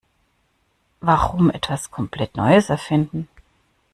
Warum etwas komplett Neues erfinden?